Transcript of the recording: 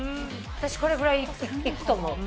私これぐらいいくと思う。